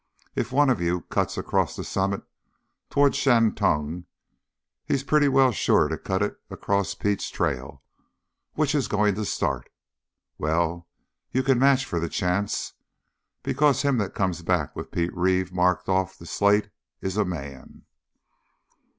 "If one of you cuts across the summit toward Shantung he's pretty sure to cut in across Pete's trail. Which is goin' to start? Well, you can match for the chance! Because him that comes back with Pete Reeve marked off the slate is a man!"